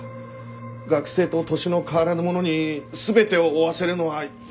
学生と年の変わらぬ者に全てを負わせるのはいささか。